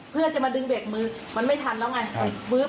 เพื่อจะมาดึงเบรกมือมันไม่ทันแล้วไง